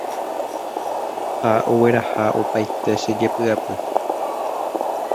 Ha egueraha opaite che jepy'apy